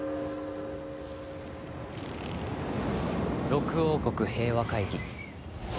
６王国平和会議。